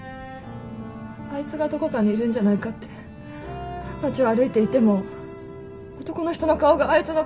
あいつがどこかにいるんじゃないかって街を歩いていても男の人の顔があいつの顔に見えるときもある。